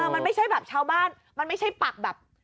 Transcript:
มันไม่ใช่แบบชาวบ้านมันไม่ใช่ปักแบบ